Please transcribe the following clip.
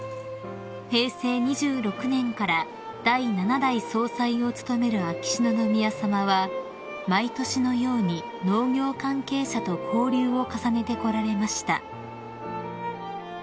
［平成２６年から第七代総裁を務める秋篠宮さまは毎年のように農業関係者と交流を重ねてこられました］